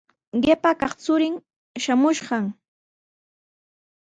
Qipa kaq churin shamuykan.